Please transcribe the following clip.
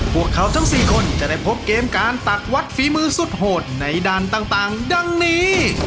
พวกเขาทั้ง๔คนจะได้พบเกมการตักวัดฝีมือสุดโหดในด่านต่างดังนี้